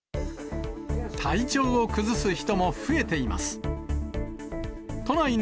体調を崩す人も増えています。